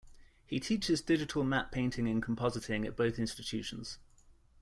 He teaches digital matte painting and compositing at both institutions.